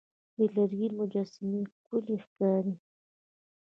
د لرګي مجسمې ښکلي ښکاري.